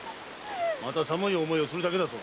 また寒い思いをするだけだぞ。